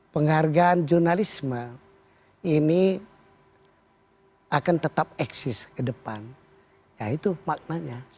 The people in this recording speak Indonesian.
penghargaan jurnalisme ini akan tetap eksis ke depan ya itu maknanya